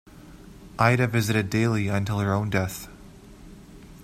Ida visited daily until her own death.